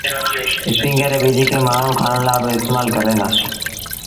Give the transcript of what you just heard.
اسپيٚنگر ري ٻج کي مآڻهوٚٚݩ کآڻ لآ با استمآل ڪريݩ دآ۔